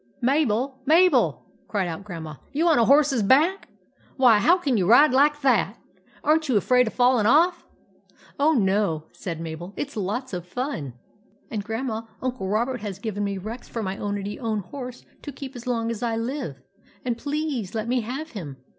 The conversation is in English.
" Mabel! Mabel!" cried out Grandma. "You on a horse's back? Why, how can you ride like that? Aren't you afraid of falling off ?"" Oh, no !" said Mabel. " It 's lots of fun I THE TAMING OF REX 27 And, Grandma, Uncle Robert has given me Rex for my ownty own horse to keep as long as I live, and please let me have him.